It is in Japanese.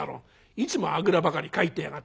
いつもあぐらばかりかいてやがって！